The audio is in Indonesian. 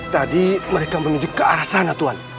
tadi mereka menuju ke arah sana tuhan